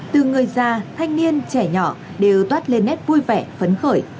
từ người già thanh niên trẻ nhỏ đều toát lên nét vui vẻ phấn khởi